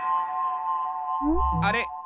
あれ？